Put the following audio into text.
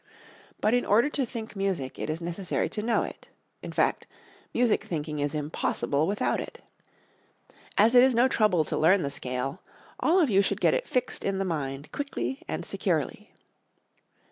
But in order to think music it is necessary to know it in fact, music thinking is impossible without it. As it is no trouble to learn the scale, all of you should get it fixed in the mind quickly and securely.